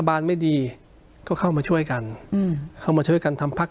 บานไม่ดีก็เข้ามาช่วยกันอืมเข้ามาช่วยกันทำพัก